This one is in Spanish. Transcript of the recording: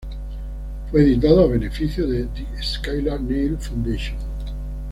Fue editado a beneficio de The Skylar Neil Foundation.